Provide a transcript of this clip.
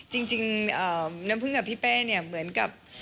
จริงน้ำพึ่งกับพี่เป้เนี่ยเหมือนกับ